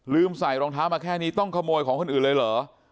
ใส่รองเท้ามาแค่นี้ต้องขโมยของคนอื่นเลยเหรอ